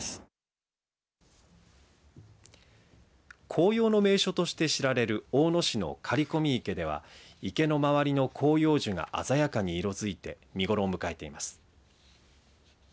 紅葉の名所として知られる大野市の刈込池では池の周りの広葉樹が鮮やかに色づいて見頃を迎えています。